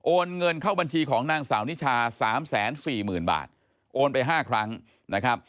เงินเข้าบัญชีของนางสาวนิชา๓๔๐๐๐บาทโอนไป๕ครั้งนะครับ